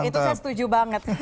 itu saya setuju banget